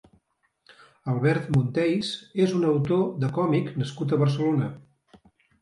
Albert Monteys és un autor de còmic nascut a Barcelona.